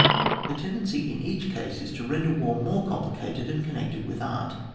The tendency in each case is to render war more complicated and connected with art.